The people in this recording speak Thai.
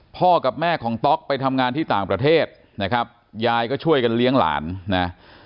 กับแม่ของต๊อกไปทำงานที่ต่างประเทศนะครับยายก็ช่วยกันเลี้ยงหลานนะ